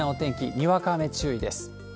にわか雨注意です。